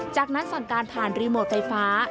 จากนั้นสั่งการผ่านรีโมทไฟฟ้า